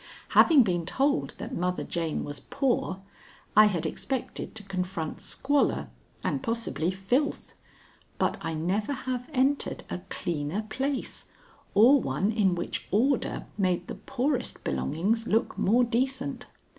Having been told that Mother Jane was poor, I had expected to confront squalor and possibly filth, but I never have entered a cleaner place or one in which order made the poorest belongings look more decent.